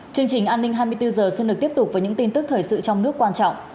chương trình an ninh hai mươi bốn h xin được tiếp tục với những tin tức thời sự trong nước quan trọng